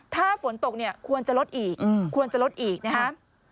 ถ้าฝนตกเนี่ยควรจะลดอีกควรจะลดอีกนะครับ